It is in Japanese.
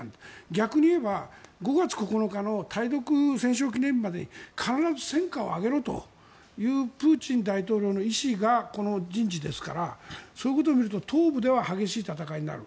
逆に言えば５月９日の対独戦勝記念日までに必ず戦果を上げろというプーチン大統領の意思がこの人事ですからそういうことを見ると東部では激しい戦いになる。